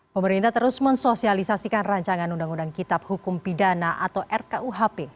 pemerintah terus mensosialisasikan rancangan undang undang kitab hukum pidana atau rkuhp